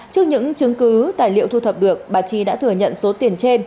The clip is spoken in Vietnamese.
trước những chứng cứ tài liệu thu thập được bà chi đã thừa nhận số tiền trên